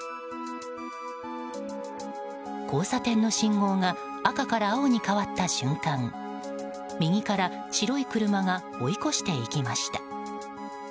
交差点の信号が赤から青に変わった瞬間右から白い車が追い越していきました。